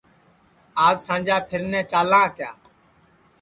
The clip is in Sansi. آج سانجا پیرنے چالاں کیا